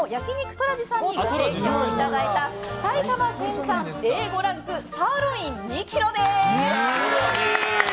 トラジさんにご提供いただいた埼玉県産Ａ５ランクサーロイン２ｋｇです。